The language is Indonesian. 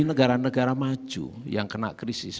negara negara maju yang kena krisis